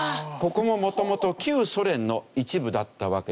ここも元々旧ソ連の一部だったわけですね。